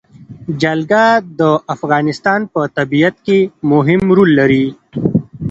جلګه د افغانستان په طبیعت کې مهم رول لري.